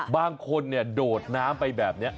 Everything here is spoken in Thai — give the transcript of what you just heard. บางคนโดดน้ำไปแบบนี้